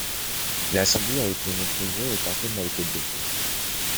L'incendie a été maîtrisé et personne n'a été blessé.